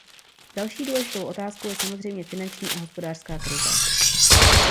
Další důležitou otázkou je samozřejmě finanční a hospodářská krize.